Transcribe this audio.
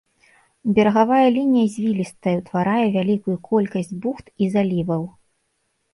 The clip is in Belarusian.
Берагавая лінія звілістая і ўтварае вялікую колькасць бухт і заліваў.